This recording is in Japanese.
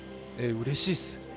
うれしいっす。